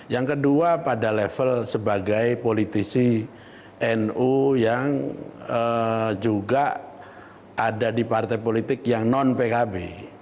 yang kedua pada level sebagai politisi nu yang juga ada di partai politik yang non pkb